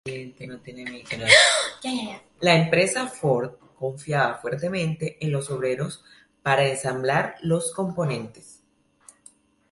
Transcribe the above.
La empresa Ford confiaba fuertemente en los obreros para ensamblar los componentes.